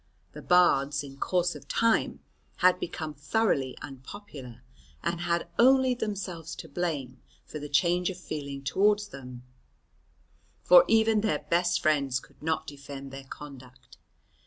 The Bards in course of time had become thoroughly unpopular, and had only themselves to blame for the change of feeling towards them, for even their best friends could not defend their conduct.